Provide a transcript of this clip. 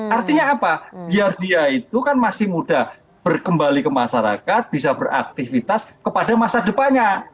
artinya apa biar dia itu kan masih muda berkembali ke masyarakat bisa beraktivitas kepada masa depannya